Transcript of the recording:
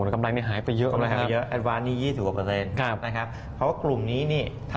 กำไรนี่หายไปเยอะ